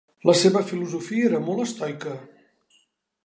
La seva filosofia era molt estoica.